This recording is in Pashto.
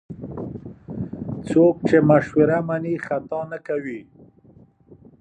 څوک چې مشوره مني، خطا نه کوي.